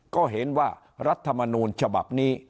ก็เห็นว่ารัฐมนูลฉบับนี้